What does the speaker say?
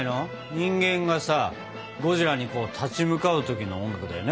人間がさゴジラに立ち向かう時の音楽だよね。